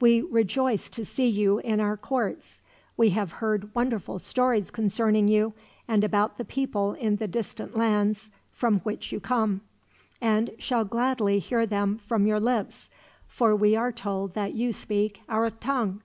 We rejoice to see you in our courts. We have heard wonderful stories concerning you, and about the people in the distant lands from which you come; and shall gladly hear them from your lips, for we are told that you speak our tongue."